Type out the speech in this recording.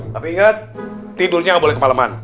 tapi inget tidurnya gak boleh kepaleman